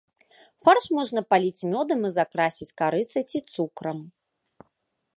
Фарш можна паліць мёдам і закрасіць карыцай ці цукрам.